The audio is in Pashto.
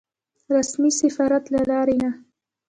رسمي سفارت له لارې نه.